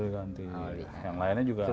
yang lainnya juga